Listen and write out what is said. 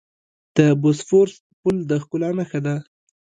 د بوسفورس پل د ښکلا نښه ده.